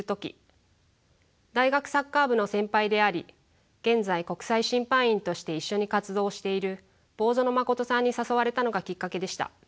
大学サッカー部の先輩であり現在国際審判員として一緒に活動をしている坊薗真琴さんに誘われたのがきっかけでした。